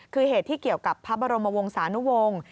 คือเหตุที่เกี่ยวกับพระบรมวงศานุวงศ์